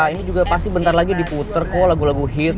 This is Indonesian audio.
ini juga pasti bentar lagi diputer kok lagu lagu hit